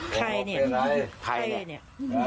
ใครเนี่ยใครเนี่ย